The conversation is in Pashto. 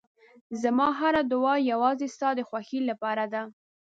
زما هره دعا یوازې ستا د خوښۍ لپاره ده.